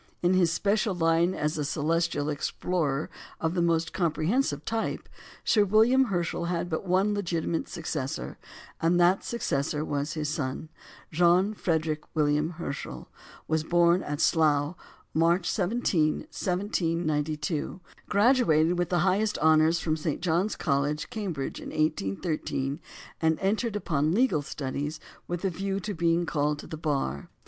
In his special line as a celestial explorer of the most comprehensive type, Sir William Herschel had but one legitimate successor, and that successor was his son. John Frederick William Herschel was born at Slough, March 17, 1792, graduated with the highest honours from St. John's College, Cambridge, in 1813, and entered upon legal studies with a view to being called to the Bar.